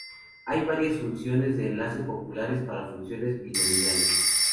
Hay varias funciones de enlace populares para funciones binomiales.